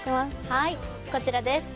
はいこちらです